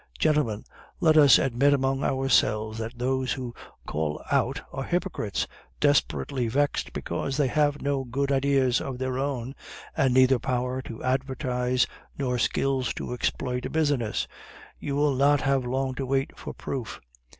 Gentlemen, let us admit among ourselves that those who call out are hypocrites, desperately vexed because they have no good ideas of their own, and neither power to advertise nor skill to exploit a business. You will not have long to wait for proof.